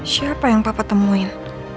siapa yang papa temuin